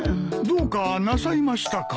どうかなさいましたか？